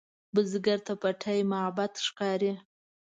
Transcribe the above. بزګر ته پټي معبد ښکاري